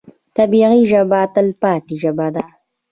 طبیعي ژبه تلپاتې ژبه ده.